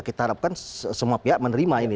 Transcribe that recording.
kita harapkan semua pihak menerima ini